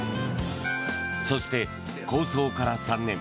そして、構想から３年。